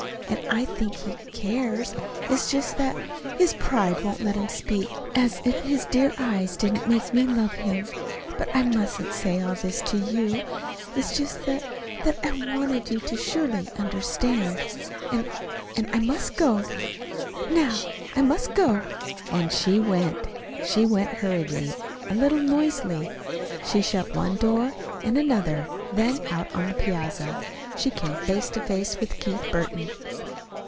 And I think he cares. It's just that that his pride won't let him speak. As if his dear eyes didn't make me love him "But I mustn't say all this to you. It's just that that I wanted you to surely understand. And and I must go, now. I must go!" And she went. She went hurriedly, a little noisily. She shut one door, and another; then, out on the piazza, she came face to face with Keith Burton.